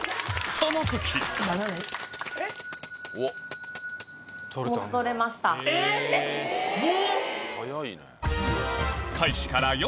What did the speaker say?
その時もう？